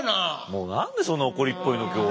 もう何でそんな怒りっぽいの今日。